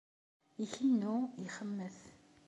Ikennu, ixemmet.